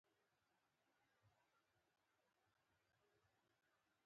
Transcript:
خو هغه وویل چې پیرودونکی د کور سامان هم غواړي